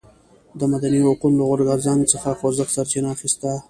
د مدني حقونو له غورځنګ څخه خوځښت سرچینه اخیسته.